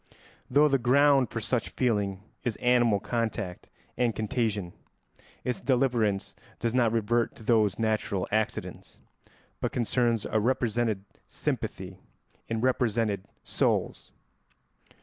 Though the ground for such feeling is animal contact and contagion, its deliverance does not revert to those natural accidents, but concerns a represented sympathy in represented souls.